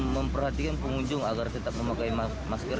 memperhatikan pengunjung agar tetap memakai masker